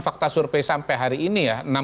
fakta survei sampai hari ini ya